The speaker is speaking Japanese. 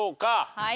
はい。